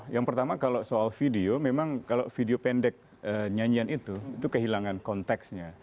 yang pertama kalau soal video memang kalau video pendek nyanyian itu itu kehilangan konteksnya